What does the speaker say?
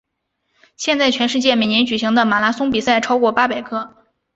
现时全世界每年举行的马拉松比赛超过八百个。